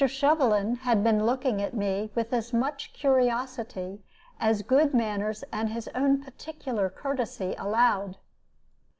Shovelin had been looking at me with as much curiosity as good manners and his own particular courtesy allowed.